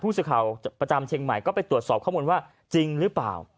สื่อข่าวประจำเชียงใหม่ก็ไปตรวจสอบข้อมูลว่าจริงหรือเปล่า